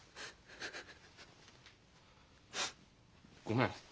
ごめん。